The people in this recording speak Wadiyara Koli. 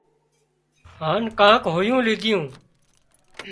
هانَ ڪانڪ هويوُون ليڌيون